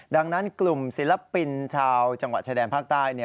ดังนั้นกลุ่มศิลปินชาวจังหวัดชายแดนภาคใต้